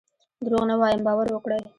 دروغ نه وایم باور وکړئ.